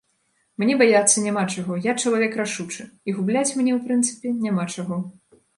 Мне баяцца няма чаго, я чалавек рашучы, і губляць мне, у прынцыпе, няма чаго.